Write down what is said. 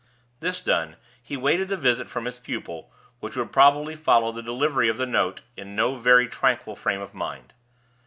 This done, he waited the visit from his pupil, which would probably follow the delivery of the note, in no very tranquil frame of mind.